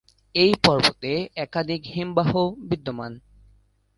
এই পর্বতে একাধিক হিমবাহ বিদ্যমান।